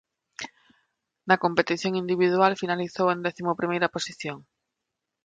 Na competición individual finalizou en décimo primeira posición.